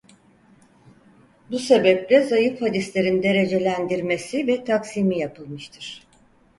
Bu sebeple zayıf hadislerin derecelendirmesi ve taksimi yapılmıştır.